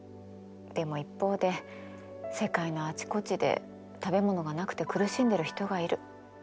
でも一方で世界のあちこちで食べ物がなくて苦しんでる人がいる。